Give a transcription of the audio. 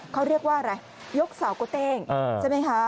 เขาเรียกว่าอะไรยกเสาโกเต้งใช่ไหมคะ